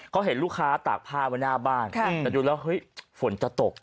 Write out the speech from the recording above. เขาเห็นลูกค้าตากผ้าไว้หน้าบ้านแต่ดูแล้วเฮ้ยฝนจะตก